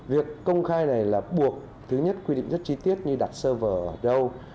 việc công khai này là buộc thứ nhất quy định rất chi tiết như đặt server ở đâu